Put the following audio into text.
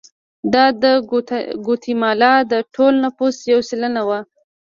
دا د ګواتیمالا د ټول نفوس یو سلنه وو.